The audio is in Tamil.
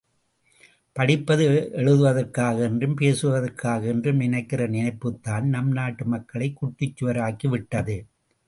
படிப்பது எழுதுவதற்காக என்றும், பேசுவதற்காக என்றும் நினைக்கிற நினைப்புத்தான் நம் நாட்டு மக்களைக் குட்டிச்சுவராக்கிவிட்டது.